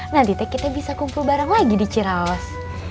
nanti teh kita bisa kumpul bareng lagi di cirawas